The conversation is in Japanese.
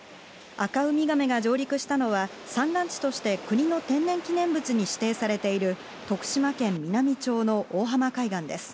アカウミガメが上陸したのは、産卵地として国の天然記念物に指定されている、徳島県美波町の大浜海岸です。